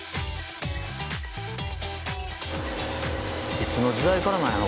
いつの時代からなんやろ？